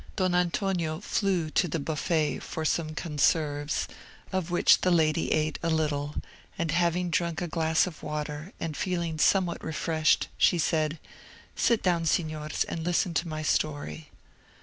Don Antonio flew to the beaufet for some conserves, of which the lady ate a little; and having drunk a glass of water, and feeling somewhat refreshed, she said, "Sit down, Signors, and listen to my story."